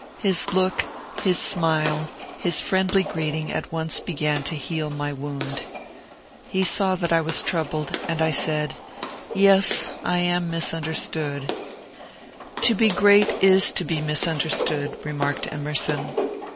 His look, his smile, his friendly greeting at once began to heal my wound. He saw that I was troubled, and I said, *^ Yes, I am misunderstood." IN DEFENCE OF A SPIRITUALIST 183 '^ To be great is to be misanderstood," remarked Emerson.